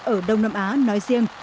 ở đông nam á nói riêng